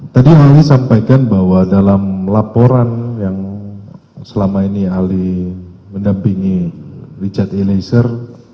tadi ahli sampaikan bahwa dalam laporan yang selama ini ali mendampingi richard eliezer